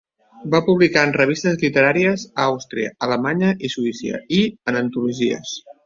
Va publicar en revistes literàries a Àustria, Alemanya i Suïssa, i en antologies.